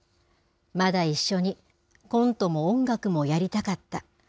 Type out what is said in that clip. まだ一緒にコントも音楽もやりたかった。